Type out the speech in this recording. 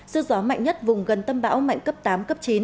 sức gió mạnh nhất vùng gần tâm bão mạnh cấp tám cấp chín